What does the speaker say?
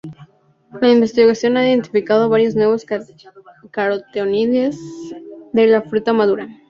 La investigación ha identificado varios nuevos carotenoides de la fruta madura.